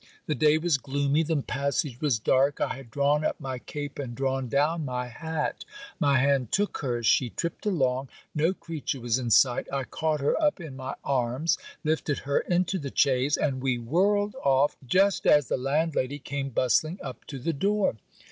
The day was gloomy, the passage was dark, I had drawn up my cape and drawn down my hat. My hand took her's. She tripped along. No creature was in sight. I caught her up in my arms, lifted her into the chaise, and we whirled off, just as the landlady came bustling up to the door.